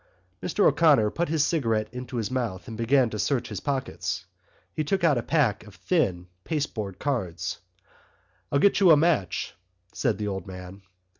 Mr O'Connor put his cigarette into his mouth and began to search his pockets. He took out a pack of thin pasteboard cards. "I'll get you a match," said the old man.